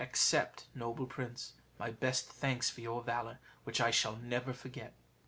Accept, noble prince, my best thanks for your valour, which I shall never forget."